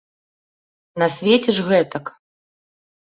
На свеце ж гэтак.